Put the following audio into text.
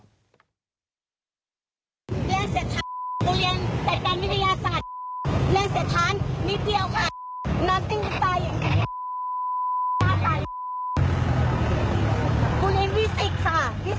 กูเรียนฟิสิกส์ค่ะฟิสิกส์กูเรียนฟิสิกส์ค่ะ